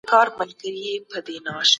د دلارام خلک په خپلي ژبي او کلتور ډېر کلک دي